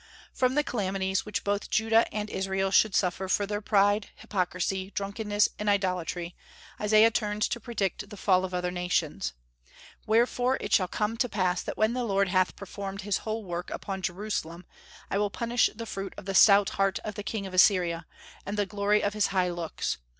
From the calamities which both Judah and Israel should suffer for their pride, hypocrisy, drunkenness, and idolatry, Isaiah turns to predict the fall of other nations. "Wherefore it shall come to pass that when the Lord hath performed his whole work upon Jerusalem, I will punish the fruit of the stout heart of the king of Assyria, and the glory of his high looks....